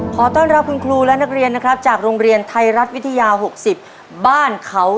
ขอต้อนรับคุณครูและนักเรียนนะครับจากโรงเรียนไทยรัฐวิทยา๖๐บ้านเขา